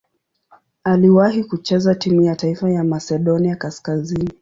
Aliwahi kucheza timu ya taifa ya Masedonia Kaskazini.